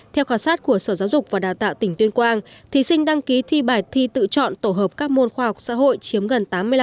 theo khảo sát của sở giáo dục và đào tạo tỉnh tuyên quang thí sinh đăng ký thi bài thi tự chọn tổ hợp các môn khoa học xã hội chiếm gần tám mươi năm